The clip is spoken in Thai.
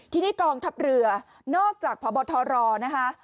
ทีนี้กองทัพเรือนอกจากพบทรนะคะ